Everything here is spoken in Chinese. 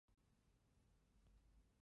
主要城镇为布里尼奥勒。